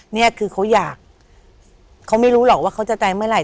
นี่คือเขาอยากเขาไม่รู้หรอกว่าเขาจะตายเมื่อไห